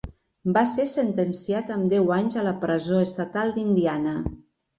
Va ser sentenciat amb deu anys a la presó estatal d'Indiana.